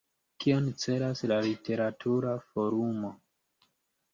Kion celas la Literatura Forumo?